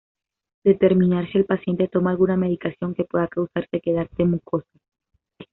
Determinar si el paciente toma alguna medicación que pueda causar sequedad de mucosas.